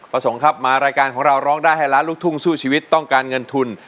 ประสงค์ครับมารายการของเราร้องได้ให้ล้านลูกทุ่งสู้ชีวิตต้องการเงินทุน